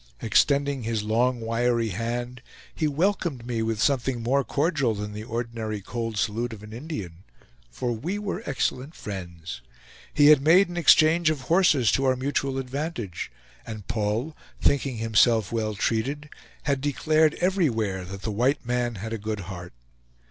Extending his long wiry hand, he welcomed me with something more cordial than the ordinary cold salute of an Indian, for we were excellent friends. He had made an exchange of horses to our mutual advantage; and Paul, thinking himself well treated, had declared everywhere that the white man had a good heart.